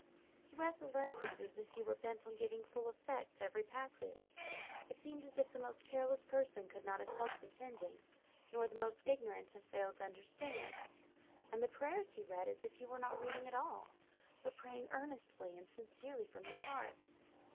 He read the Lessons as if he were bent on giving full effect to every passage; it seemed as if the most careless person could not have helped attending, nor the most ignorant have failed to understand; and the prayers he read as if he were not reading at all, but praying earnestly and sincerely from his own heart."